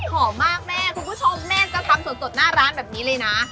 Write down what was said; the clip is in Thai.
หอมมากแม่คุณผู้ชมแม่จะทำสดหน้าร้านแบบนี้เลยนะ